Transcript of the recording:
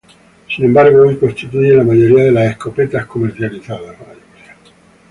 Sin embargo, hoy constituyen la mayoría de las escopetas comercializadas.